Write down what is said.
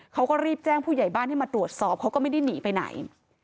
เขาก็รีบแจ้งผู้ใหญ่บ้านให้มาตรวจสอบเขาก็ไม่ได้หนีไปไหน